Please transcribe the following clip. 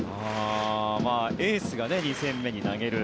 エースが２戦目に投げる。